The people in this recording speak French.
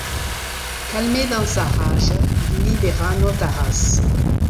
Calmé dans sa rage, il libéra Notaras.